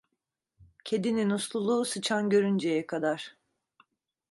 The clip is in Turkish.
Kedinin usluluğu sıçan görünceye kadar.